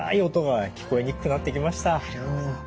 なるほど。